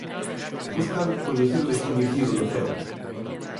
Buscan coñecer o descoñecido no ceo.